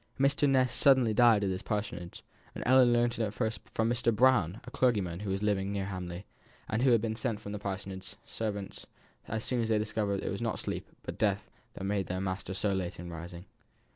Mr. Ness died suddenly at his parsonage, and Ellinor learnt it first from Mr. Brown, a clergyman, whose living was near Hamley, and who had been sent for by the Parsonage servants as soon as they discovered that it was not sleep, but death, that made their master so late in rising.